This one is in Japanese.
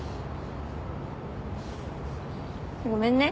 ごめんね。